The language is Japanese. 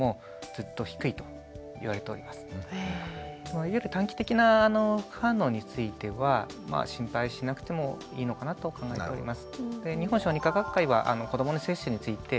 いわゆる短期的な副反応については心配しなくてもいいのかなと考えております。